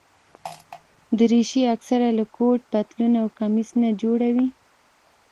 دریشي اکثره له کوټ، پتلون او کمیس نه جوړه وي.